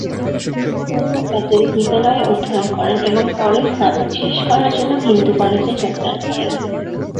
দীপ সর্দার প্যাটেল বিদ্যালয়ে অধ্যয়ন করেন এবং পরে স্নাতক শেষ করার জন্য হিন্দু কলেজে যোগদান করেন।